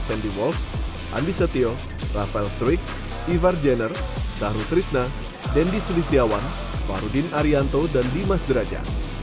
sandy walsh andi setio rafael struik ivar jenner syahru trisna dendi sulistiawan farudin arianto dan dimas derajat